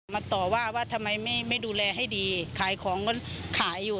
ต่อว่าว่าทำไมไม่ดูแลให้ดีขายของก็ขายอยู่